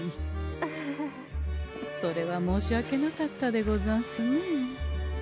それは申し訳なかったでござんすね。